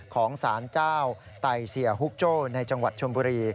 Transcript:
ของสารเจ้าไตเสียฮุกโจ้ในจังหวัดชมบุรี